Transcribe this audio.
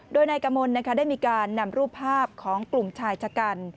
โดยนายกมลได้มีการนำรูปภาพของกลุ่มชายชะกัน